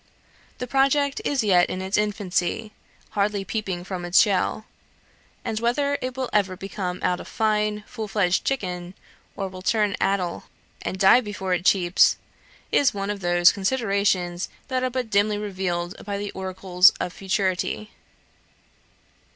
The project is yet in its infancy, hardly peeping from its shell; and whether it will ever come out a fine full fledged chicken, or will turn addle and die before it cheeps, is one of those considerations that are but dimly revealed by the oracles of futurity.